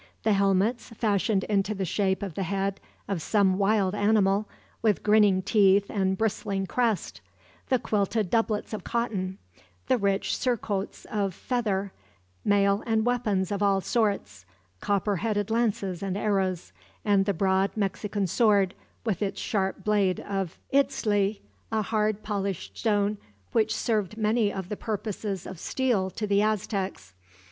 The helmets, fashioned into the shape of the head of some wild animal, with grinning teeth and bristling crest; the quilted doublets of cotton; the rich surcoats of feather; mail and weapons of all sorts; copper headed lances and arrows; and the broad Mexican sword, with its sharp blade of itztli, a hard polished stone, which served many of the purposes of steel to the Aztecs.